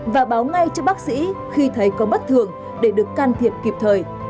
và báo ngay cho bác sĩ khi thấy có bất thường để được can thiệp kịp thời